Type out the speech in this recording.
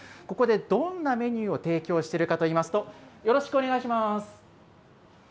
ここでどんなメニューを提供しているかといいますと、よろしくお願いします。